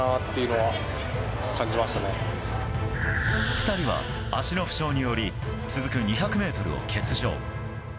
２人は足の負傷により続く２００ｍを欠場。